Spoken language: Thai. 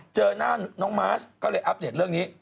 เจอหน้าน้องมาร์ชก็เลยอัปเดตเรื่องนี้